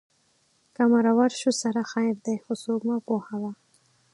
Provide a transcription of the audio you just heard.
که مرور شو سره خیر دی خو څوک مه پوهوه